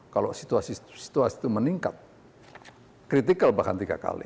kalau situasi itu meningkat kritikal bahkan tiga kali